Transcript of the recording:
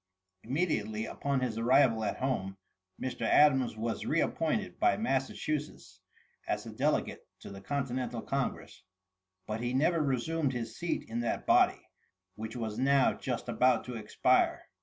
Immediately upon his arrival at home, Mr. Adams was RE APPOINTED by Massachusetts as a delegate to the continental congress; but he never resumed his seat in that body, which was now just about to expire.